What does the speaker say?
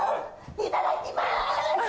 いただきます！